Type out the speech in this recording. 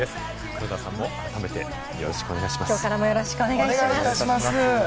黒田さんも改めてよろしくお願いします。